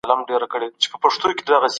نوې ټکنالوژي نوي فرصتونه زیږوي.